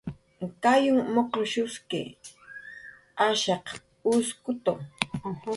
Kayunh muq'rshuski, ashaq uskutu